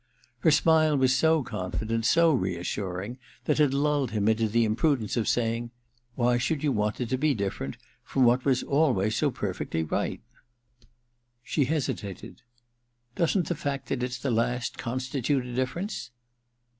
Her smile was so confident, so reassuring, that it lulled him into the imprudence of say ing :* Why should you want it to be different from what was always so perfectly right ?' I THE DILETTANTE 271 She hesitated. * Doesn't the fact that it's the last constitute a difference